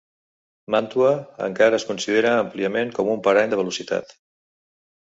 Mantua encara es considera àmpliament com un parany de velocitat.